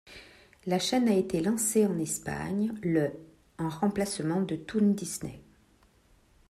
La chaine a été lancée en Espagne le en remplacement de Toon Disney.